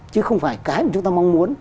chứ không phải cái mà chúng ta mong muốn